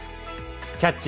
「キャッチ！